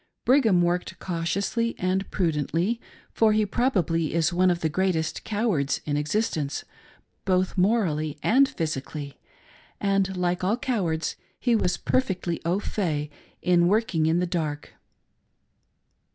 Brig ham worked cautiously and prudently, for he probably is one of the greatest cowards in existence, both morally and physi cally, and like all cowards he was perfectly aufait in work ing in the dark.